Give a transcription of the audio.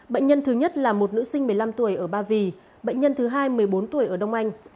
bệnh nhân thứ nhất là một nữ sinh một mươi năm tuổi ở ba vì bệnh nhân thứ hai một mươi bốn tuổi ở đông anh